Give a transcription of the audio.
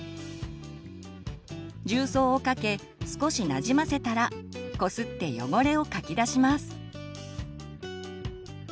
重曹をかけ少しなじませたらこすって汚れをかき出します。